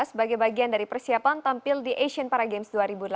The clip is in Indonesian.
sebagai bagian dari persiapan tampil di asian paragames dua ribu delapan belas